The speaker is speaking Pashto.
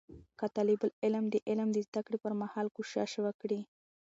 که طالب العلم د علم د زده کړې پر مهال کوشش وکړي